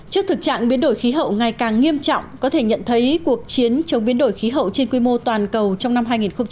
trước thực trạng biến đổi khí hậu ngày càng nghiêm trọng có thể nhận thấy cuộc chiến chống biến đổi khí hậu trên quy mô toàn cầu trong năm hai nghìn hai mươi